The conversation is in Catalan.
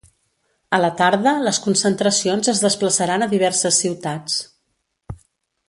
A la tarda les concentracions es desplaçaran a diverses ciutats.